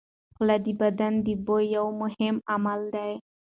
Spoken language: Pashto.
خوله د بدن د بوی یو مهم عامل دی.